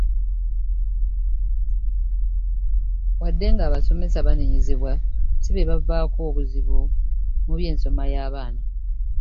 "Wadde nga abasomesa banenyezebwa, si beebavaako obuzibu mu by'ensoma y'abaana."